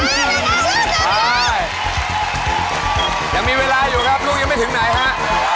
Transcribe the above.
ยังมีเวลาอยู่ครับลูกยังไม่ถึงไหนฮะ